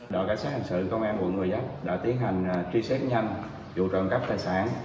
đội cảnh sát hành sự công an quận người giáp đã tiến hành truy xét nhanh vụ trộm cắp tài sản